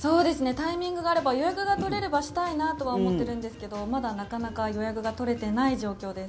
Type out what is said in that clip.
タイミングがあれば予約が取れればしたいなとは思ってるんですけどまだなかなか予約が取れていない状況です。